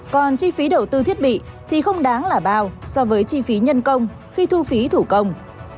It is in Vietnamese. còn chi phí đầu tư thiết bị thì không đáng là bao so với chi phí nhân công khi thu phí thủ công